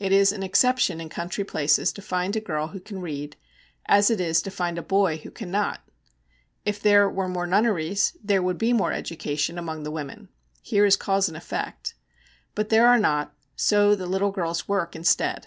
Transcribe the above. It is an exception in country places to find a girl who can read, as it is to find a boy who cannot. If there were more nunneries, there would be more education among the women; here is cause and effect. But there are not, so the little girls work instead.